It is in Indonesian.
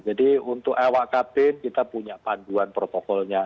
jadi untuk awak kabin kita punya panduan protokolnya